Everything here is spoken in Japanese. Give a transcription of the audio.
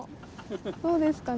どうですかね？